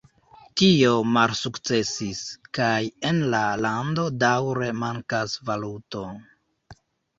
Tio malsukcesis, kaj en la lando daŭre mankas valuto.